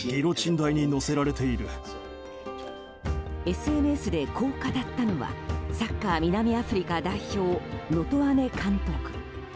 ＳＮＳで、こう語ったのはサッカー南アフリカ代表ノトアネ監督。